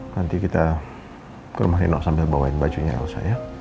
nanti kita ke rumah nino sambil bawain bajunya elsa ya